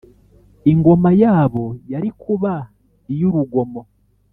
ingoma yabo yari kuba iy’urugomo